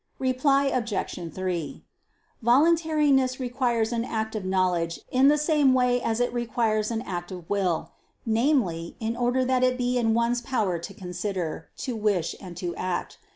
Reply Obj. 3: Voluntariness requires an act of knowledge in the same way as it requires an act of will; namely, in order that it be in one's power to consider, to wish and to act.